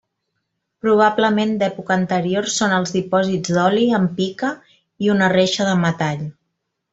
Probablement d'època anterior són els dipòsits d'oli, amb pica i una reixa de metall.